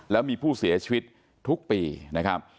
แล้วมีผู้เสียชีวิตทุกปีนะครับ